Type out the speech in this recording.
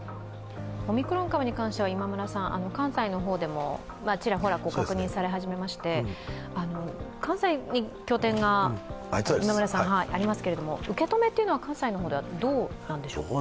オミクロン株に関しては関西の方でもちらほら確認され始めまして、関西に拠点が野村さんはありますけど、受け止めというのは関西ではどうなんでしょう？